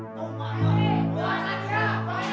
masak bayi masak bayi